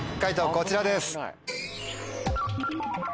こちらです。